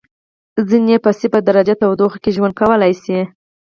ځینې یې په صفر درجه تودوخې کې ژوند کولای شي.